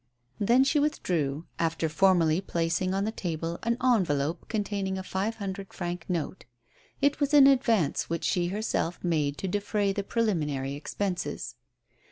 Then she withdrew, after formally placing on the table an envelope containing a five hundred franc note. It was an advance which she herself made to defray the preliminary expenses.